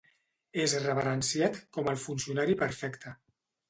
És reverenciat com el funcionari perfecte.